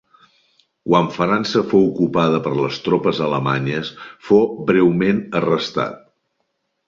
Quan França fou ocupada per les tropes alemanyes, fou breument arrestat.